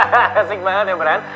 hahaha asik banget ya brun